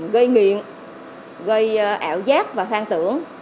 gây nghiện gây ảo giác và hoang tưởng